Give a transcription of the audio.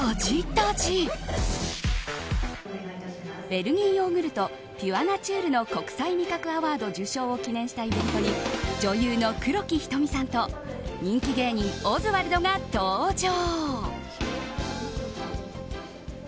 ベルギーヨーグルトピュアナチュールの国際味覚アワード受賞を記念したイベントに女優の黒木瞳さんと人気芸人オズワルドが登場。